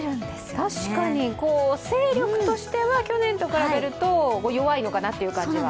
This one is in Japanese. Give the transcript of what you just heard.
確かに勢力としては去年と比べると弱いのかなという感じは。